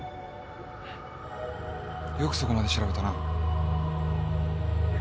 よくそこまで調べたな。